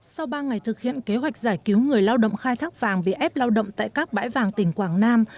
sau ba ngày thực hiện kế hoạch giải cứu người lao động khai thác vàng bị ép lao động tại các bãi vàng tỉnh quảng nam